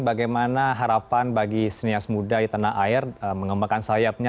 bagaimana harapan bagi senias muda di tanah air mengembangkan sayapnya